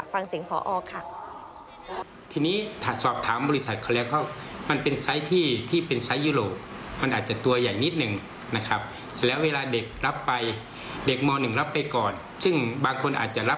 ฟังเสียงขอออกค่ะ